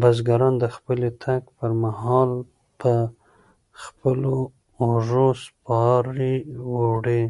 بزګران د پلي تګ پر مهال په خپلو اوږو سپارې وړي.